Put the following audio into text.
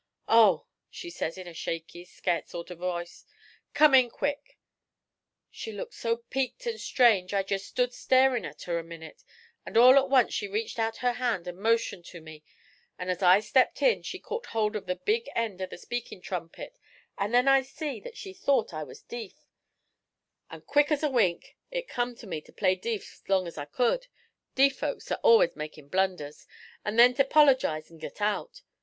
"Oh!" she says, in a shaky, scairt sort o' voice, "come in quick." She looked so peaked and strange I jest stood starin' at her a minit, and all to once she reached out her hand and motioned to me; and as I stepped in she caught hold of the big end of the speakin' trumpet, and then I see that she thought I was deef; and quick as a wink it come to me to play deef 's long as I could deef folks are allus makin' blunders and then to 'polergize an' git out.